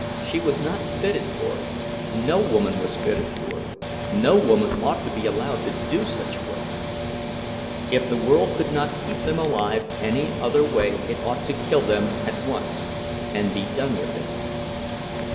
She was not fitted for it—no woman was fitted for it, no woman ought to be allowed to do such work; if the world could not keep them alive any other way it ought to kill them at once and be done with it.